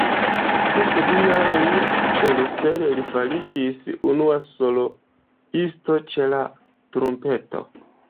Post du jaroj ĉe Russell li fariĝis unua soloisto ĉe la trumpeto.